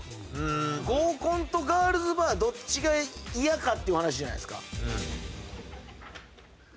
合コンとガールズバーどっちが嫌かっていう話じゃないですか。